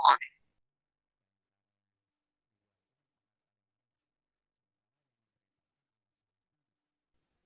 tidak ada lulus